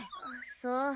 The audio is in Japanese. そう。